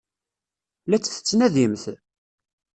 La tt-tettnadimt?